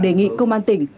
đề nghị công an tỉnh